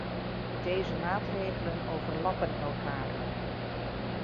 Deze maatregelen overlappen elkaar.